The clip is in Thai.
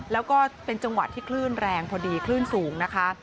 แล้วก็เป็นจังหวะที่คลื่นแรงพอดีคลื่นสูงนะคะ